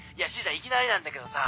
いきなりなんだけどさ。